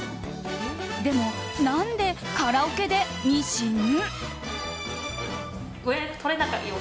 でも、何でカラオケでミシン？